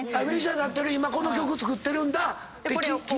今この曲作ってるんだ。